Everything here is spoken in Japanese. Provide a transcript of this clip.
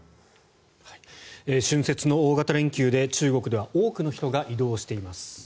春節の大型連休で中国では多くの人が移動しています。